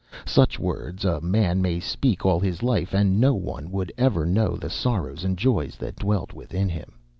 Such words a man may speak all his life and no one would ever know the sorrows and joys that dwelt within him.